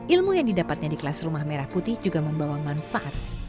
ilmu yang didapatnya di kelas rumah merah putih juga membawa manfaat